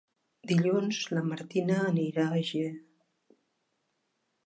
Dilluns na Martina anirà a Ger.